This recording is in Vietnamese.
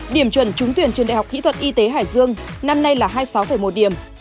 điểm chuẩn trúng tuyển trường đại học kỹ thuật y tế hải dương năm nay là hai mươi sáu một điểm